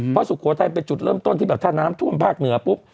เพราะสุโขทัยเป็นจุดเริ่มต้นที่แบบถ้าน้ำท่วมภาคเหนือปุ๊บ